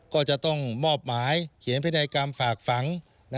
ก็จะต้องมอบหมายเขียนพินัยกรรมฝากฝัง